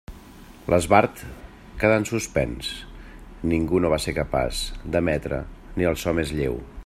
L'esbart quedà en suspens, ningú no va ser capaç d'emetre ni el so més lleu.